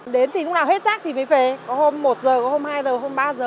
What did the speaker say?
đến thì lúc nào hết rác thì mới về hôm một giờ hôm hai giờ hôm ba giờ